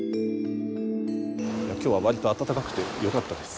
今日は割と暖かくてよかったです。